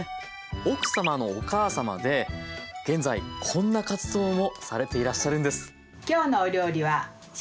奥様のお母様で現在こんな活動をされていらっしゃるんです。